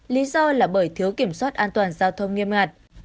lý do là bởi thiếu kiểm soát an toàn giao thông nghiêm ngặt